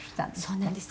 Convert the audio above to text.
そうなんです。